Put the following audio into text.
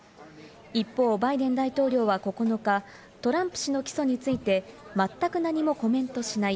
一方、バイデン大統領は９日、トランプ氏の起訴についてまったく何もコメントしない。